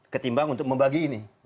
ketimbang untuk membagi ini